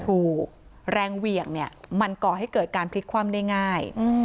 ถูกแรงเหวี่ยงเนี่ยมันก่อให้เกิดการพลิกคว่ำได้ง่าย